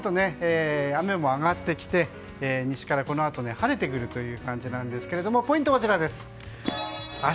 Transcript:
だんだんと雨も上がってきて西からこのあと晴れてくるという感じなんですがポイントはこちらです。